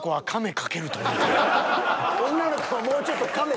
女の子はもうちょっとカメ。